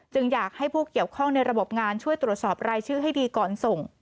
อยากให้ผู้เกี่ยวข้องในระบบงานช่วยตรวจสอบรายชื่อให้ดีก่อนส่ง